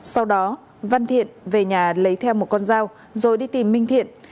sau đó văn thiện về nhà lấy theo một con dao rồi đi tìm minh thiện